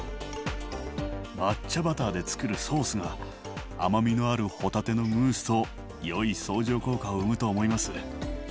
抹茶バターでつくるソースが甘みのあるほたてのムースとよい相乗効果を生むと思います。